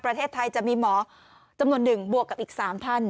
ประเทศไทยจะมีหมอจำนวนหนึ่งบวกกับอีก๓ท่าน